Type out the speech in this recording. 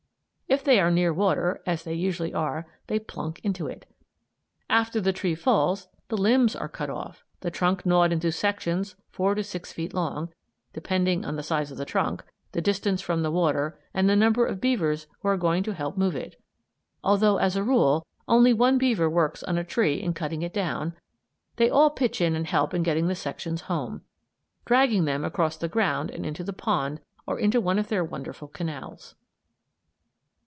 If they are near water, as they usually are they "plunk" into it. After the tree falls the limbs are cut off, the trunk gnawed into sections four to six feet long, depending on the size of the trunk, the distance from the water, and the number of beavers that are going to help move it. Although, as a rule, only one beaver works on a tree in cutting it down, they all pitch in and help in getting the sections home; dragging them across the ground and into the pond or into one of their wonderful canals.